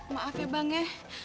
maaf ya bang ya